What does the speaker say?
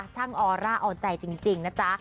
ช่างออร่าอ่อนใจจริงนะจ๊ะ